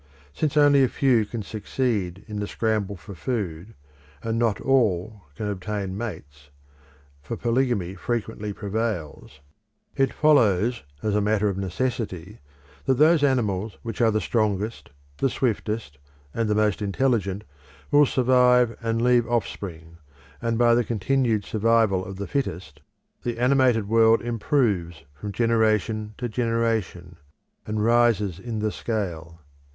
Since only a few can succeed in the scramble for food, and not all can obtain mates, for polygamy frequently prevails, it follows as a matter of necessity that those animals which are the strongest, the swiftest, and the most intelligent will survive and leave offspring, and by the continued survival of the fittest the animated world improves from generation to generation, and rises in the scale.